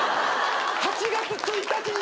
８月１日に。